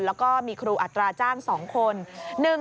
แล้วก็มีครูอัตราจ้าง๒คน